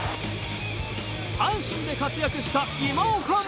阪神で活躍した今岡も。